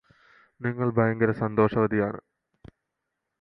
നിങ്ങള് ഭയങ്കര സന്തോഷവതിയാണ്